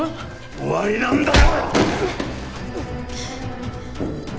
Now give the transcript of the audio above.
終わりなんだよ！